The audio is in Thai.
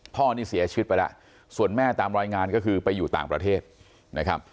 พ่อนี่เสียชีวิตไปแล้วส่วนแม่ตามรายงานก็คือไปอยู่ต่างประเทศนะครับ